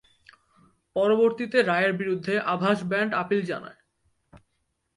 পরবর্তীতে রায়ের বিরুদ্ধে আভাস ব্যান্ড আপিল জানায়।